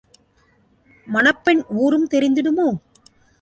மணப்பெண் ஊரும் தெரிந்திடுமோ?